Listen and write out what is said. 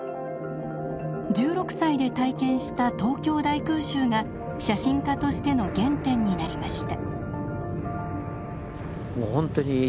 １６歳で体験した東京大空襲が写真家としての原点になりました。